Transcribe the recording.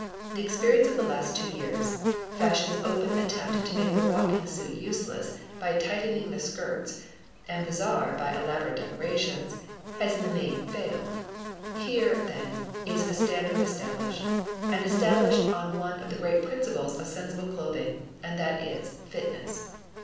The experience of the last two years fashion's open attempt to make the walking suit useless by tightening the skirts, and bizarre by elaborate decorations, has in the main failed. Here, then, is a standard established, and established on one of the great principles of sensible clothing, and that is fitness.